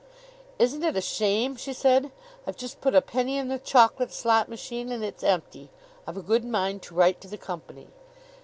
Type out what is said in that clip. "Isn't it a shame?" she said. "I've just put a penny in the chocolate slot machine and it's empty! I've a good mind to write to the company."